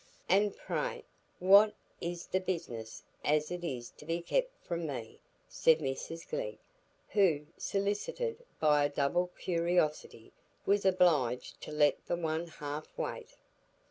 "And pray, what is this business as is to be kept from me?" said Mrs Glegg, who, solicited by a double curiosity, was obliged to let the one half wait.